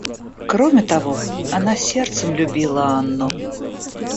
Кроме того, она сердцем любила Анну.